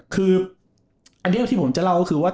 คืออันเดียวที่ผมจะเล่าก็คือว่า